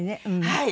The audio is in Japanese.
はい。